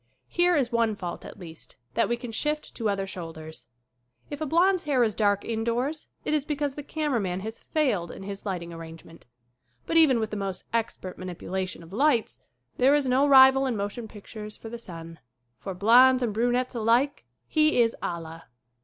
Here is one fault, at least, that we can shift to other 60 SCREEN ACTING shoulders. If a blond's hair is dark indoors it is because the cameraman has failed in his lighting arrangement. But even with the most expert manipulation of lights there is no rival in motion pictures for the sun. For blonds and brunettes alike he is Allah.